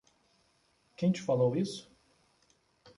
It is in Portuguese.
Quem te falou isso?